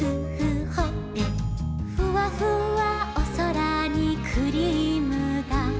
「ふわふわおそらにクリームだ」